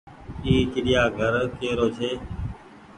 اي ڇڙيآ گهر ڪي رو ڇي۔